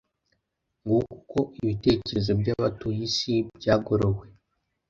Nguko uko ibitekerezo by’abatuye isi byagorowe,